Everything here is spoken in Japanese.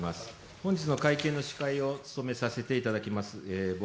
本日の会見の司会を務めさせていただきます